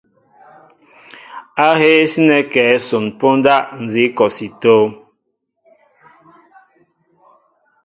Ahéé sínέ kɛέ son póndá nzi kɔsi é tóóm ?